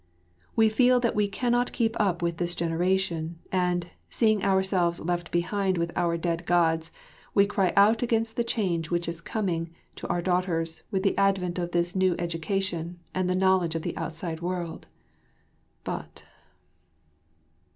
We feel that we cannot keep up with this generation; and, seeing ourselves left behind with our dead Gods, we cry out against the change which is coming to our daughters with the advent of this new education and the knowledge of the outside world. But